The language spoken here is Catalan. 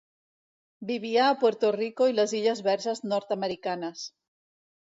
Vivia a Puerto Rico i les Illes Verges Nord-americanes.